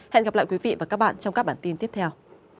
hẹn gặp lại quý vị và các bạn trong các bản tin tiếp theo